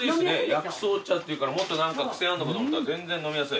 薬草茶っていうからもっと何か癖あんのかと思ったら全然飲みやすい。